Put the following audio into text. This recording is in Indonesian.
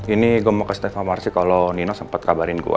ini gue mau kasih telepon marsi kalau nino sempat kabarin gue